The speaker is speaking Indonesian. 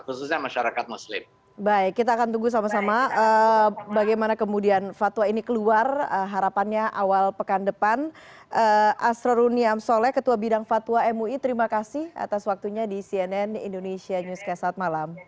khususnya masyarakat muslim